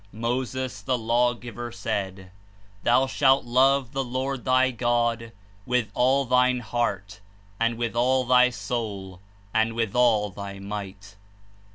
Moses, the Law giver, said: '^Thou shalt love the Lord thy God zcith all thine heart, and with all thy soul, and zvith all thy might.''